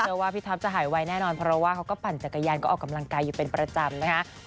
ว่าพี่ท็อปจะหายไวแน่นอนเพราะว่าเขาก็ปั่นจักรยานก็ออกกำลังกายอยู่เป็นประจำนะคะ